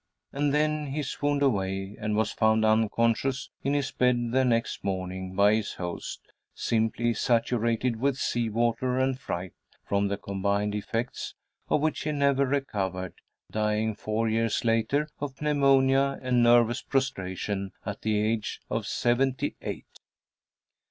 And then he swooned away, and was found unconscious in his bed the next morning by his host, simply saturated with sea water and fright, from the combined effects of which he never recovered, dying four years later of pneumonia and nervous prostration at the age of seventy eight.